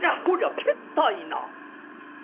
「こりゃけったいな」。